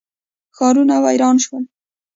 ښارونه ویران شول.